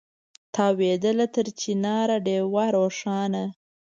تاوېدله تر چنار ډېوه روښانه